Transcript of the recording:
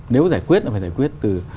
nếu giải quyết thì phải giải quyết từ